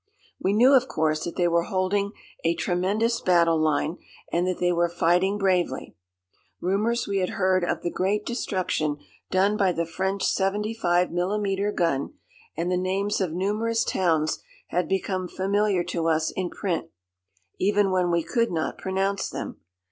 We knew, of course, that they were holding a tremendous battle line and that they were fighting bravely. Rumours we had heard of the great destruction done by the French seventy five millimetre gun, and the names of numerous towns had become familiar to us in print, even when we could not pronounce them.